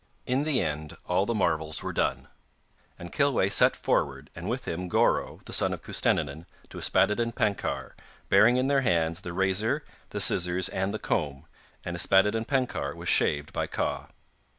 In the end all the marvels were done, and Kilweh set forward, and with him Goreu, the son of Custennin, to Yspaddaden Penkawr, bearing in their hands the razor, the scissors and the comb, and Yspaddaden Penkawr was shaved by Kaw.